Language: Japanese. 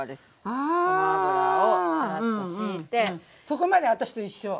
そこまで私と一緒。